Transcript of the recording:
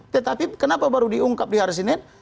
tetapi kenapa baru diungkap di hari senin